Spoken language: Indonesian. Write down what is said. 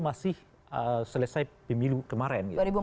masih selesai pemilu kemarin